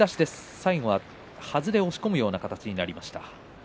最後はずで押し込むような形になりました。